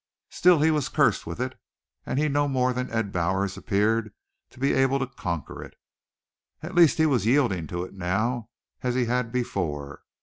Still he was cursed with it, and he no more than Ed Bowers appeared to be able to conquer it. At least he was yielding to it now as he had before.